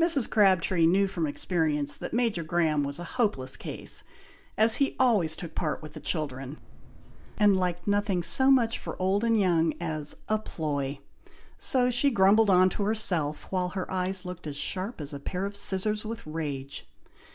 Mrs. Crabtree knew from experience, that Major Graham was a hopeless case, as he always took part with the children, and liked nothing so much for old and young as "a ploy;" so she grumbled on to herself, while her eyes looked as sharp as a pair of scissors with rage.